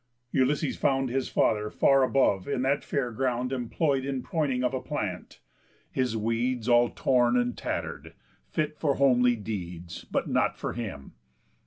Ulysses found His father far above in that fair ground, Employ'd in proining of a plant; his weeds All torn and tatter'd, fit for homely deeds, But not for him.